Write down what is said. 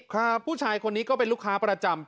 ครับผู้ชายคนนี้ก็เป็นลูกค้าประจำ